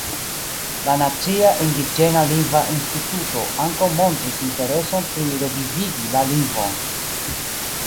La Nacia Indiĝena Lingva Instituto ankaŭ montris intereson pri revivigi la lingvon.